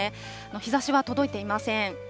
日ざしは届いていません。